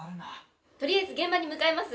とりあえず現場に向かいます。